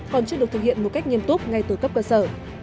và đồng tục ngay từ cấp cơ sở